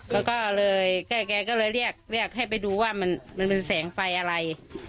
แล้วก็เลยแกก็เลยเรียกเรียกให้ไปดูว่ามันเป็นแสงไฟอะไร